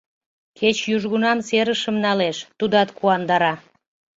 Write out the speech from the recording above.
Кеч южгунам серышым налеш, тудат куандара.